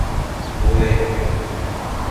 無理由既